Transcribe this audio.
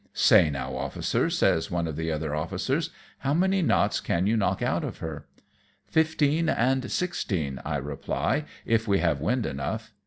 ^'" Say now, officer," says one of the other officers, " how many knots can you knock out of her ?"" Fifteen and sixteen," I reply, " if we have wind enough.